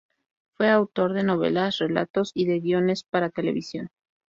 Fue autor de novelas, relatos y de guiones para televisión.